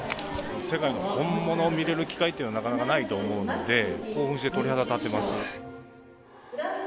世界の本物を見れる機会っていうのはなかなかないと思うので、興奮して鳥肌立ってます。